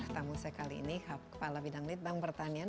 tamu saya kali ini kepala bidang lead bank pertanian